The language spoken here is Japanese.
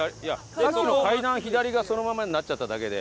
さっきの階段を左がそのままになっちゃっただけで。